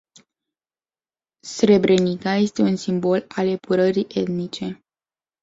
Srebrenica este un simbol al epurării etnice.